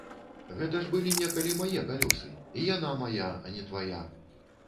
Гэта ж былі некалі мае калёсы і яна мая, а не твая!